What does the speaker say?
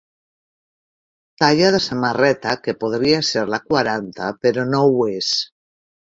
Talla de samarreta que podria ser la quaranta però no ho és.